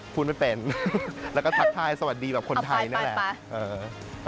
พูดไม่เป็นแล้วก็ทักทายสวัสดีแบบคนไทยนั่นแหละ